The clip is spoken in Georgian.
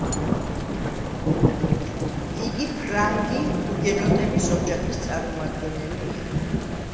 იგი ფრანგი ჰუგენოტების ოჯახის წარმომადგენელი იყო.